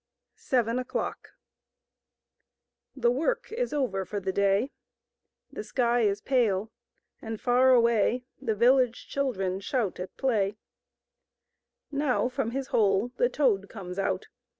Seven O clock* 'Or cool e Work is over for \i\eJ)cy ; i'he Sky is pale, and far away "'^'^^ The Village Children shout sXPlay . Now from hisHole the To^^/comes out.